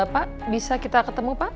pak bisa kita ketemu pak